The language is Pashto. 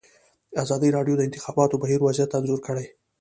ازادي راډیو د د انتخاباتو بهیر وضعیت انځور کړی.